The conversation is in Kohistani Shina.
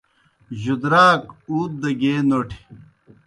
جُدراک اُوت دہ گیے نوٹھیْ۔